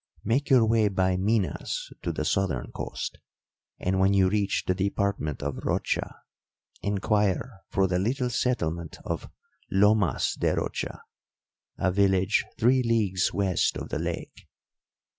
Make your way by Minas to the southern coast; and when you reach the department of Rocha, inquire for the little settlement of Lomas de Rocha, a village three leagues west of the lake.